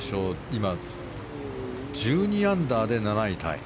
今、１２アンダーで７位タイ。